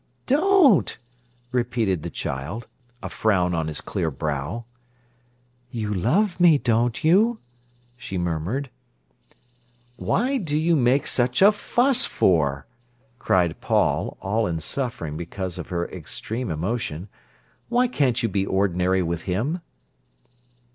"Don't!" repeated the child, a frown on his clear brow. "You love me, don't you?" she murmured. "What do you make such a fuss for?" cried Paul, all in suffering because of her extreme emotion. "Why can't you be ordinary with him?"